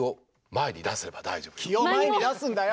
気を前に出すんだよ！